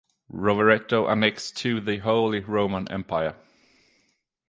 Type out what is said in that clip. Rovereto annexed to the Holy Roman Empire